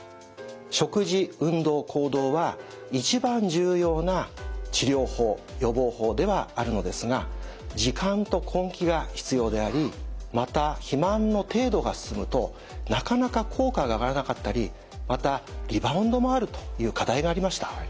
食事運動行動は一番重要な治療法予防法ではあるのですが時間と根気が必要でありまた肥満の程度が進むとなかなか効果が上がらなかったりまたリバウンドもあるという課題がありました。